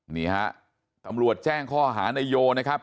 นี่ฮะตำรวจแจ้งข้อหานายโยนะครับ